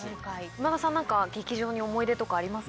今田さん、なんか劇場に思い出とかありますか。